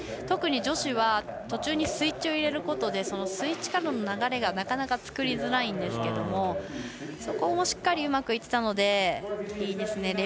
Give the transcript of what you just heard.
特に女子は途中にスイッチを入れることでスイッチからの流れがなかなか作りづらいんですけどそこもしっかりうまくいっていたのでいいですね。